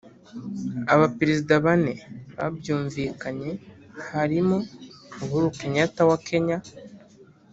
Abaperezida bane babyumvikanye harimo Uhuru Kenyatta wa Kenya